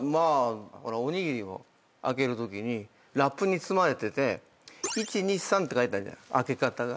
おにぎりを開けるときにラップに包まれてて１２３って書いてあるじゃない開け方が。